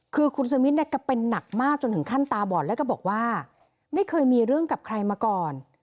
คือคุณสมิทเนี่ยก็เป็นหนักมากจนถึงขั้นตาบอดแล้วก็บอกว่าไม่เคยมีเรื่องกับใครมาก่อน